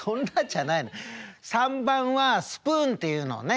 ３番はスプーンっていうのねっ。